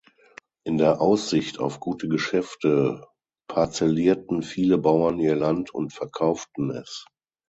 In der Aussicht auf gute Geschäfte parzellierten viele Bauern ihr Land und verkauften es.